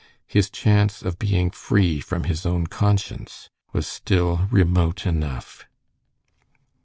His chance of being free from his own conscience was still remote enough.